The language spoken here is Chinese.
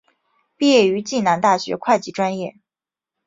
毕业于暨南大学会计专业。